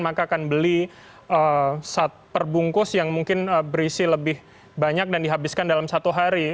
maka akan beli perbungkus yang mungkin berisi lebih banyak dan dihabiskan dalam satu hari